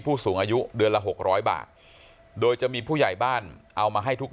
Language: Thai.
ผู้สูงอายุเดือนละหกร้อยบาทโดยจะมีผู้ใหญ่บ้านเอามาให้ทุก